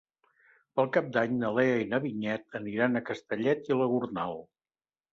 Per Cap d'Any na Lea i na Vinyet aniran a Castellet i la Gornal.